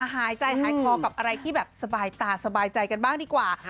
หายใจหายคอกับอะไรที่แบบสบายตาสบายใจกันบ้างดีกว่า